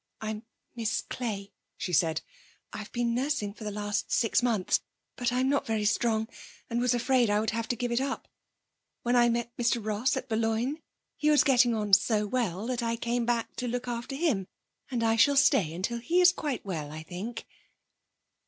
'I'm Miss Clay,' she said. 'I've been nursing for the last six months, but I'm not very strong and was afraid I would have to give it up when I met Mr Ross at Boulogne. He was getting on so well that I came back to look after him and I shall stay until he is quite well, I think.'